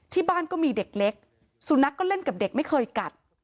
ที่บ้านก็มีเด็กเล็กสุนัขก็เล่นกับเด็กไม่เคยกัด